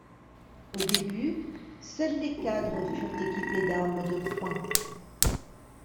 Au début, seuls les cadres furent équipés d'armes de poing.